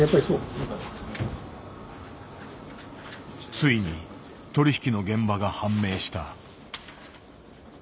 ついに取り引きの現場が判明した。